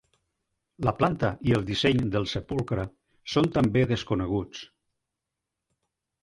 La planta i el disseny del sepulcre són també desconeguts.